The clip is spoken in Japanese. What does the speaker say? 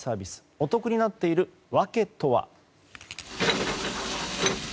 お得になっているわけとは？